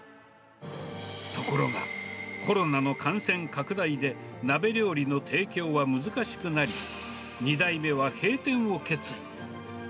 ところが、コロナの感染拡大で、鍋料理の提供は難しくなり、２代目は閉店を決意。